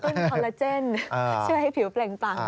อันนี้ก็ต้นคอลลาเจนเชื่อให้ผิวเปล่งปัง